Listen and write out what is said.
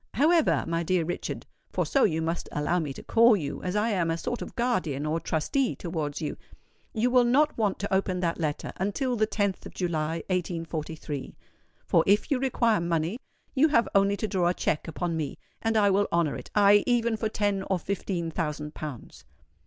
However, my dear Richard—for so you must allow me to call you, as I am a sort of guardian or trustee towards you—you will not want to open that letter until the 10th of July, 1843; for if you require money, you have only to draw a cheque upon me, and I will honour it—aye, even for ten or fifteen thousand pounds."